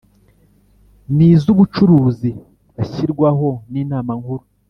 n iz ubucuruzi bashyirwaho n Inama Nkuru